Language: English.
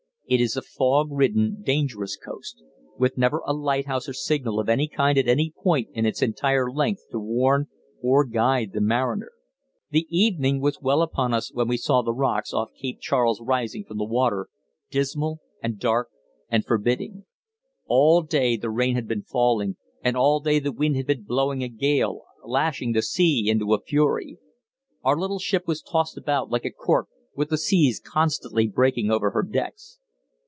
It is a fog ridden, dangerous coast, with never a lighthouse or signal of any kind at any point in its entire length to warn or guide the mariner. The evening was well upon us when we saw the rocks off Cape Charles rising from the water, dismal, and dark, and forbidding. All day the rain had been falling, and all day the wind had been blowing a gale, lashing the sea into a fury. Our little ship was tossed about like a cork, with the seas constantly breaking over her decks.